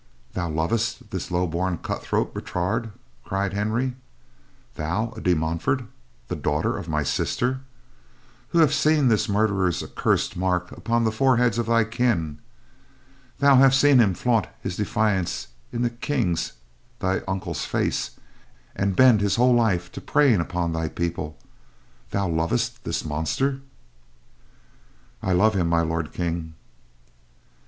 "Thou lov'st this low born cut throat, Bertrade," cried Henry. "Thou, a De Montfort, the daughter of my sister; who have seen this murderer's accursed mark upon the foreheads of thy kin; thou have seen him flaunt his defiance in the King's, thy uncle's, face, and bend his whole life to preying upon thy people; thou lov'st this monster?" "I love him, My Lord King."